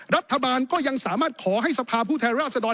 รัฐบาลก็ยังสามารถขอให้สภาผู้แทนราชดร